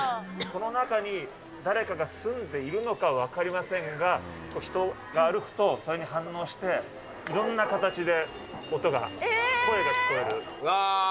この中に誰かが住んでいるのか分かりませんが、人が歩くと、それに反応して、いろんな形で音が、うわぁ！